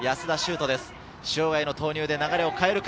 塩貝の投入で流れを変えるか